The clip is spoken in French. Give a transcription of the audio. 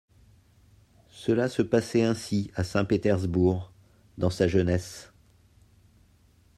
Cela se passait ainsi à Saint-Pétersbourg, dans sa jeunesse.